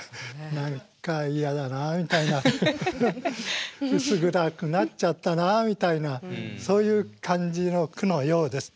何か嫌だなみたいな薄暗くなっちゃったなみたいなそういう感じの句のようです。